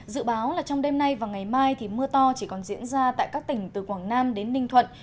dự báo là trong đêm nay và ngày mai thì mưa to chỉ còn diễn ra tại các tỉnh từ quảng nam đến ninh thuận